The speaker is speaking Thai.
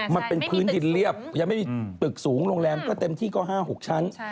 มันเป็นพื้นดินเรียบยังไม่มีตึกสูงโรงแรมก็เต็มที่ก็๕๖ชั้น